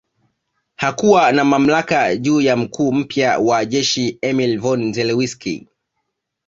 Hakuwa na mamlaka juu ya mkuu mpya wa jeshi Emil Von Zelewski